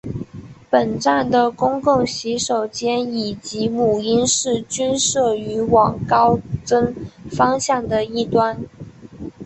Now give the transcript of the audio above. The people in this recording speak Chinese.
本站的公共洗手间以及母婴室均设于往高增方向的一端。